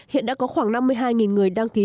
hiện đã có khoảng năm mươi hai người đăng ký